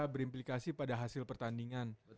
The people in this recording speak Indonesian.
berimplikasi pada hasil pertandingan